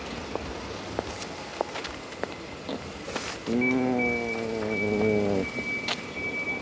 うん。